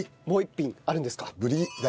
もう一品あるんですか？